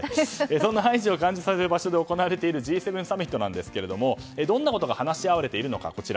そんなハイジを感じさせるところで行われているＧ７サミットですがどんなことが話し合われているのか。